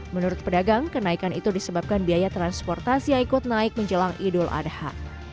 menurut pedagang kenaikan itu disebabkan biaya transportasi yang ikut naik menjelang idul adha